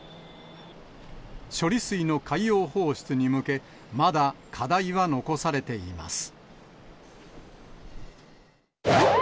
処理水の海洋放出に向け、まだ課題は残されています。